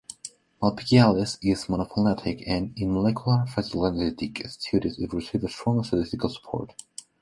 Malpighiales is monophyletic and in molecular phylogenetic studies, it receives strong statistical support.